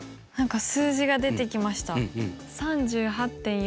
何か数字が出てきました。